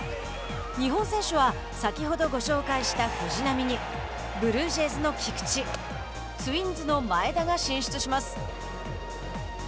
日本選手は先ほどご紹介した藤浪にブルージェイズの菊地ツインズの前田が進出します。